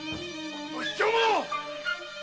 この卑怯者っ‼